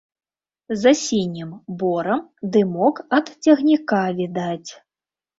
За сінім борам дымок ад цягніка відаць.